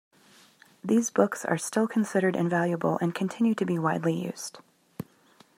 These books are still considered invaluable and continue to be widely used.